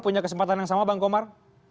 punya kesempatan yang sama bang komar